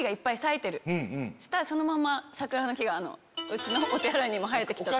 そしたらそのまま桜の木がうちのお手洗いにも生えて来た。